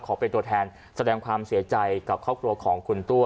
เป็นตัวแทนแสดงความเสียใจกับครอบครัวของคุณตัว